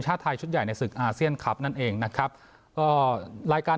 ชาติไทยชุดใหญ่ในศึกอาเซียนคลับนั่นเองนะครับก็รายการ